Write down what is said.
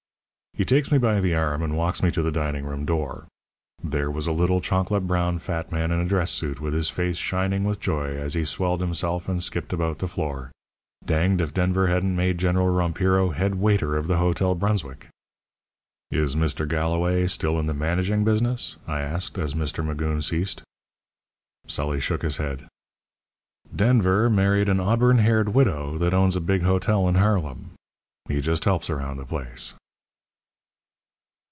"He takes me by the arm and walks me to the dining room door. There was a little chocolate brown fat man in a dress suit, with his face shining with joy as he swelled himself and skipped about the floor. Danged if Denver hadn't made General Rompiro head waiter of the Hotel Brunswick!" "Is Mr. Galloway still in the managing business?" I asked, as Mr. Magoon ceased. Sully shook his head. "Denver married an auburn haired widow that owns a big hotel in Harlem. He just helps around the place."